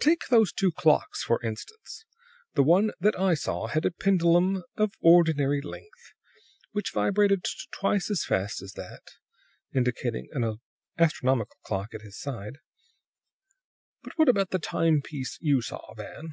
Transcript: "Take those two clocks, for instance. The one that I saw had a pendulum of ordinary length, which vibrated twice as fast as that" indicating an astronomical clock at his side. "What about the time piece you saw, Van?"